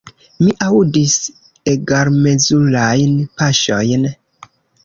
Mi aŭdis egalmezurajn paŝojn.